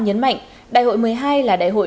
nhấn mạnh đại hội một mươi hai là đại hội